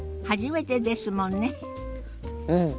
うん。